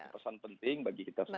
pesan penting bagi kita semua